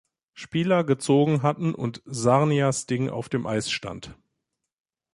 Spieler gezogen hatten, und Sarnia Sting auf dem Eis stand.